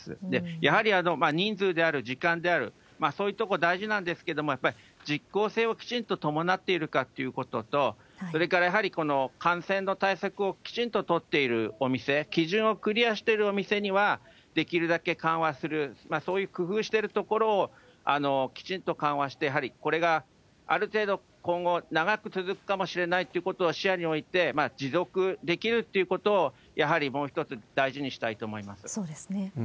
やはり人数である、時間である、そういうところ大事なんですけれども、やっぱり実効性をきちんと伴っているかということと、それからやはりこの感染の対策をきちんと取っているお店、基準をクリアしてるお店には、できるだけ緩和する、そういう工夫してる所をきちんと緩和して、やはりこれがある程度、今後長く続くかもしれないということを視野に置いて、持続できるっていうことをやはりもう一つ大事にしたいと思います。